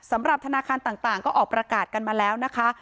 สำหรับธนาคารต่างก็ออกประกาศกันมาแล้วนะคะ